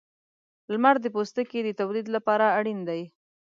• لمر د پوستکي د تولید لپاره اړین دی.